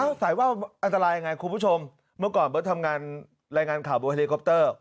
สายว่าวอันตรายยังไงคุณผู้ชมเมื่อก่อนเบิร์ตทำงานรายงานข่าวบนเฮลิคอปเตอร์